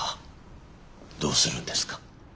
どうするんですか。